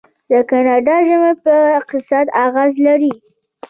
د کاناډا ژمی په اقتصاد اغیز لري.